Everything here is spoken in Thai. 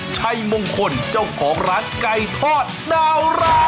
ชัยมงคลเจ้าของร้านไก่ทอดดาวรา